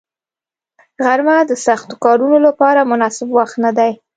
غرمه د سختو کارونو لپاره مناسب وخت نه دی